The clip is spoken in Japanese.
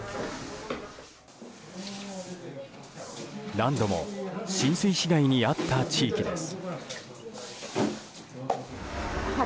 何度も浸水被害に遭った地域です。